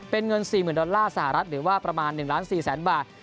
เป็นเงิน๔๐๐๐ดอลลาร์สหรัฐหรือว่าประมาณ๑ล้าน๔แสนบาท